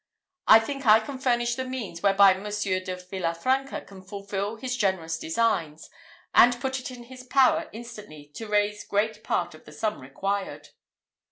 I think I can furnish the means whereby Monsieur de Villa Franca can fulfil his generous designs, and put it in his power instantly to raise great part of the sum required."